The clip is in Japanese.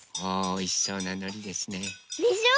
おいしそうなのりですね。でしょ？